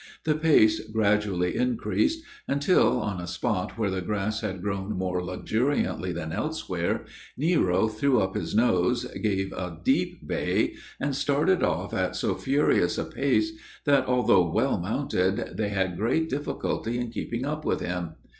The pace gradually increased, until, on a spot where the grass had grown more luxuriantly than elsewhere, Nero threw up his nose, gave a deep bay, and started off at so furious a pace, that, although well mounted, they had great difficulty in keeping up with him.